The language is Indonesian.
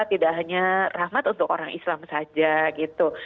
tidak hanya rahmat untuk orang islam saja gitu